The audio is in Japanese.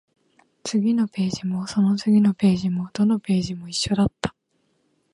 次のページも、その次のページも、どのページも一緒だった